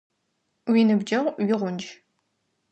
Уиныбджэгъу уигъундж.